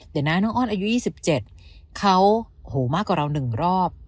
เดี๋ยวนะน้องอ้อนอายุ๒๗เขามากกว่าเรา๑รอบ